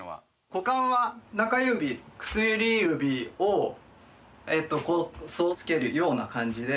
股間は中指薬指をこうつけるような感じで。